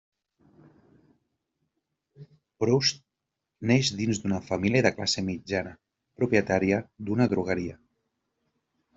Proust neix dins d'una família de classe mitjana, propietària d'una drogueria.